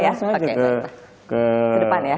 kita langsung aja ke depan ya